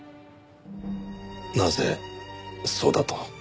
なぜそうだと？